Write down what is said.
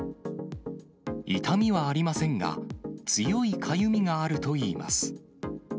痛みはありませんが、強いかゆみがあるといいます。